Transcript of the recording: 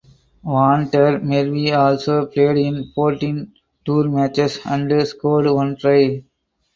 Van der Merwe also played in fourteen tour matches and scored one try.